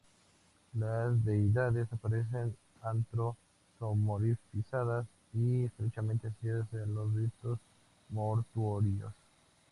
Las deidades aparecen antropo-zoomorfizadas y estrechamente asociadas a los ritos mortuorios.